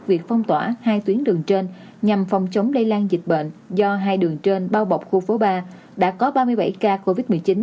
việc phong tỏa hai tuyến đường trên nhằm phòng chống lây lan dịch bệnh do hai đường trên bao bọc khu phố ba đã có ba mươi bảy ca covid một mươi chín